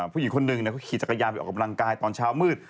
ผู้หญิงคนหนึ่งเขาขี่จักรยานไปออกกำลังกายตอนเช้ามืด